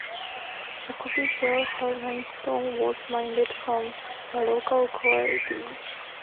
The Coby Jail has limestone walls mined from the local quarry.